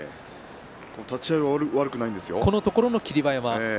立ち合い悪くないですよ。